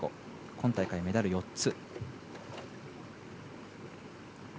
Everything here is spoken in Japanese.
今大会メダル４つ。